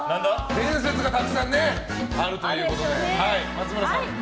伝説がたくさんあるということで松村さん、お願いします。